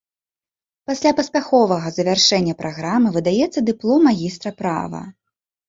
Пасля паспяховага завяршэння праграмы выдаецца дыплом магістра права.